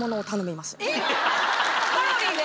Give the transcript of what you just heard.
カロリーで？